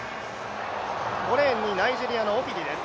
５レーンにナイジェリアのオフィリです。